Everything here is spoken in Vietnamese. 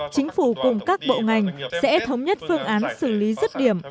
chính phủ cùng các bộ ngành sẽ thống nhất phương án xử lý rứt điểm